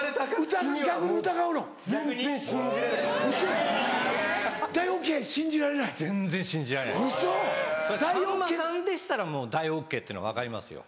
さんまさんでしたらもう「大ＯＫ」っていうの分かりますよ。